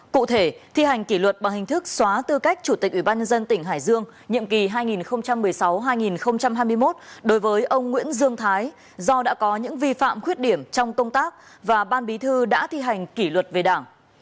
cụ thể thi hành kỷ luật bằng hình thức xóa tư cách chủ tịch ủy ban nhân dân tỉnh hải dương nhiệm kỳ hai nghìn một mươi sáu hai nghìn hai mươi một đối với ông nguyễn dương thái do đã có những vi phạm khuyết điểm trong công tác và ban bí thư đã thi hành kỷ luật về đảng